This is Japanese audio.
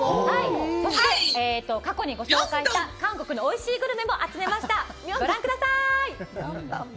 そして過去にご紹介した韓国のおいしいグルメも集めましたご覧ください